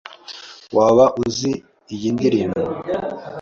Waba uzi iyi ndirimbo?